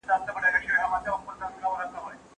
تعليم د فکر پراختيا ته لاره هواروي.